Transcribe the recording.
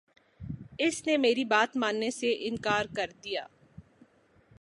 اس نے میری بات ماننے سے انکار کر دیا